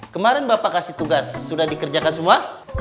kemarin bapak kasih tugas sudah dikerjakan semua